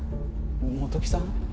本木さん？